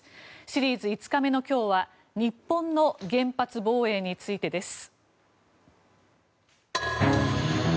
シリーズ５日目の今日は日本の原発防衛についてです。